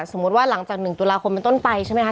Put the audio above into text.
สมมุติว่าหลังจาก๑ตุลาคมเป็นต้นไปใช่ไหมคะ